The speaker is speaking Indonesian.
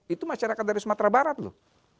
itu masyarakat dari sumatera barat loh